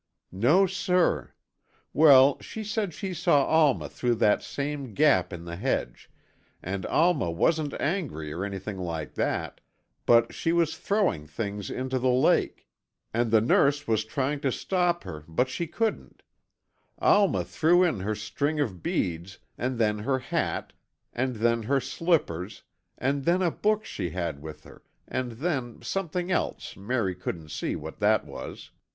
"No, sir. Well, she said she saw Alma through that same gap in the hedge, and Alma wasn't angry or anything like that, but she was throwing things into the lake. And the nurse was trying to stop her, but she couldn't. Alma threw in her string of beads and then her hat and then her slippers and then a book she had with her, and then something else, Mary couldn't see what that was.